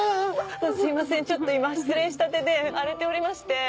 すいませんちょっと今失恋したてで荒れておりまして。